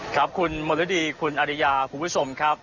ครับคุณมรดีคุณอริยาคุณผู้ชมครับ